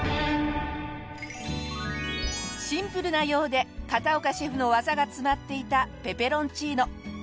シンプルなようで片岡シェフの技が詰まっていたペペロンチーノ。